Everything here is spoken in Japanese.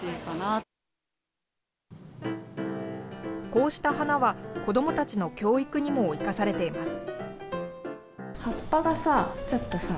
こうした花は子どもたちの教育にも生かされています。